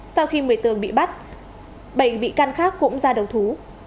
sau khi một mươi tường bị bắt bảy bị can khác cũng ra đầu thú